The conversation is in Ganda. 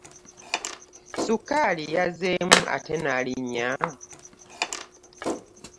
Ssukaali yazzeemu ate n'alinnya?